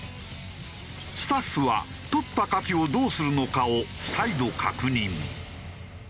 スタッフは採ったカキをどうするのかを再度確認。